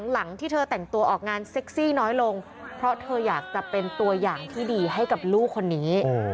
หลังที่เธอแต่งตัวออกงานเซ็กซี่น้อยลงเพราะเธออยากจะเป็นตัวอย่างที่ดีให้กับลูกคนนี้